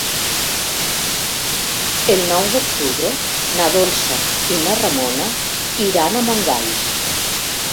El nou d'octubre na Dolça i na Ramona iran a Montgai.